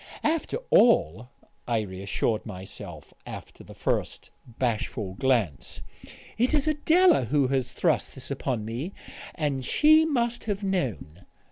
"After all," I reassured myself, after the first bashful glance, "it is Adela who has thrust this upon me; and she must have known."